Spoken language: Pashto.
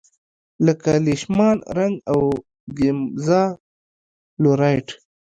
لکه لیشمان رنګ او ګیمزا لو رایټ.